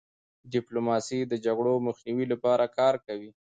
ډيپلوماسي د جګړو د مخنیوي لپاره کار کوي.